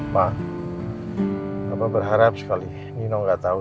ma apa berharap sekali nino gak tahu